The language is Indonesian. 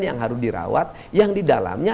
yang harus dirawat yang didalamnya